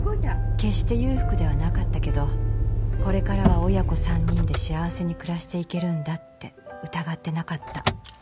決して裕福ではなかったけどこれからは親子３人で幸せに暮らしていけるんだって疑ってなかった。